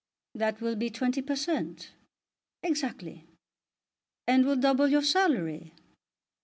"That will be twenty per cent." "Exactly." "And will double your salary."